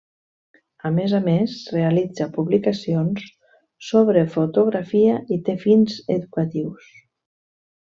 A més a més realitza publicacions sobre fotografia i té fins educatius.